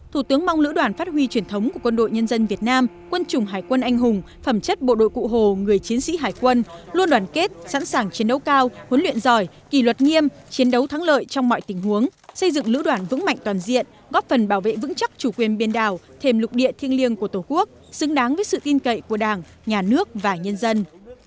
thủ tướng mong lữ đoàn phát huy truyền thống của quân đội nhân dân việt nam quân chủng hải quân anh hùng phẩm chất bộ đội cụ hồ người chiến sĩ hải quân luôn đoàn kết sẵn sàng chiến đấu cao huấn luyện giỏi kỳ luật nghiêm chiến đấu thắng lợi trong mọi tình huống xây dựng lữ đoàn vững mạnh toàn diện góp phần bảo vệ vững chắc chủ quyền biên đảo thềm lục địa thiêng liêng của tổ quốc xứng đáng với sự tin cậy của đảng nhà nước và nhân dân